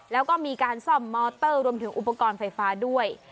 แล้วก็มีการซ่อมมอเตอร์รวมถึงอุปกรณ์ไฟฟ้าด้วย